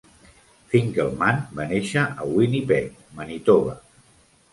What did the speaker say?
Finkleman va néixer a Winnipeg, Manitoba.